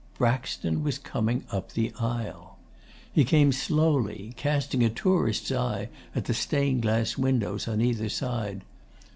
'Braxton was coming up the aisle. He came slowly, casting a tourist's eye at the stained glass windows on either side.